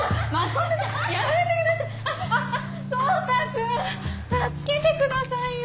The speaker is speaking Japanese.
蒼汰君助けてくださいよ。